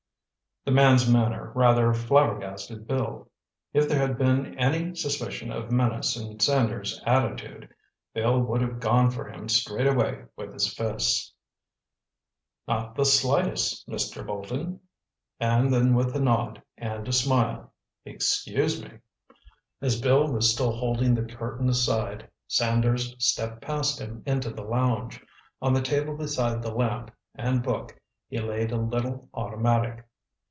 The man's manner rather flabbergasted Bill. If there had been any suspicion of menace in Sanders' attitude, Bill would have gone for him straightway with his fists. "Not the slightest, Mr. Bolton!" And then with a nod and a smile, "Excuse me!" As Bill was still holding the curtain aside, Sanders stepped past him into the lounge. On the table beside the lamp and book he laid a little automatic.